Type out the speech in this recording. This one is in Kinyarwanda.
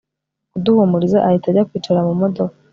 kuduhumuriza ahita ajya kwicara mumodoka